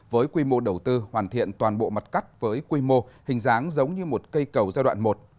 với quy mô đầu tư hoàn thiện toàn bộ mặt cắt với quy mô hình dáng giống như một cây cầu giai đoạn một